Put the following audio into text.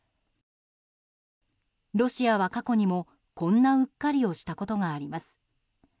ロシアは過去にもこんなうっかりをしたことがあります。